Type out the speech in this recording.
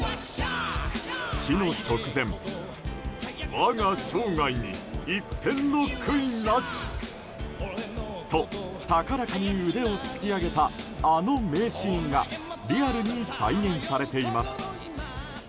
死の直前、「わが生涯に一片の悔いなし！」と高らかに腕を突き上げたあの名シーンがリアルに再現されています。